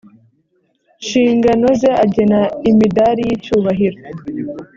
nshingano ze agena imidari y icyubahiro